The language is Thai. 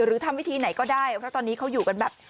หรือทำวิธีไหนก็ได้เพราะตอนนี้เขาอยู่กันแบบ